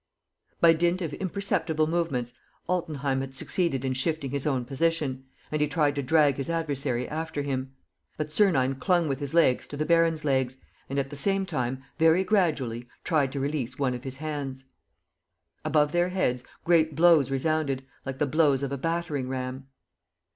By dint of imperceptible movements, Altenheim had succeeded in shifting his own position; and he tried to drag his adversary after him. But Sernine clung with his legs to the baron's legs and, at the same time, very gradually, tried to release one of his hands. Above their heads great blows resounded, like the blows of a battering ram.